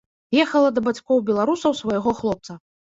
Ехала да бацькоў-беларусаў свайго хлопца.